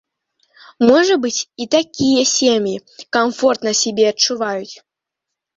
Можа быць, і такія сем'і камфортна сябе адчуваюць.